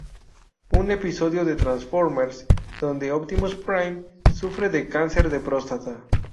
Un episodio de Transformers donde Optimus Prime, sufre de cáncer de próstata.